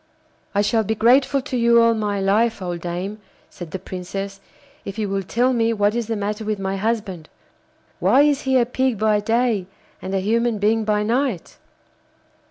'I shall be grateful to you all my life, old dame,' said the Princess, 'if you will tell me what is the matter with my husband. Why is he a Pig by day and a human being by night?